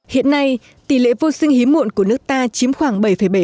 hiện nay tỷ lệ vô sinh hiếm muộn của nước ta chiếm khoảng bảy bảy